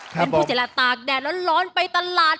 เป็นผู้เสียระตากแดดร้อนไปตลาด